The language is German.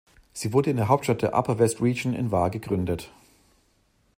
Sie wurde in der Hauptstadt der Upper West Region in Wa gegründet.